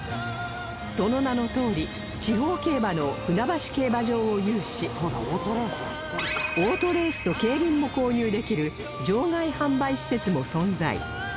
その名のとおり地方競馬場の船橋競馬場を有しオートレースと競輪も購入できる場外販売施設も存在